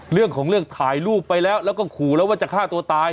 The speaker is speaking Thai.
เรื่องของเรื่องถ่ายรูปไปแล้วแล้วก็ขู่แล้วว่าจะฆ่าตัวตาย